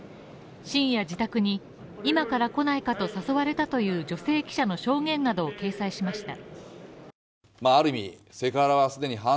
深夜自宅に今から来ないかと誘われたという女性記者の証言などを掲載しました。